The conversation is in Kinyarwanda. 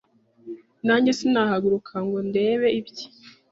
najye sinahaguruka ngo ndebe ibye